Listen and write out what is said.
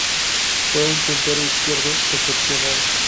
Fue un puntero izquierdo excepcional.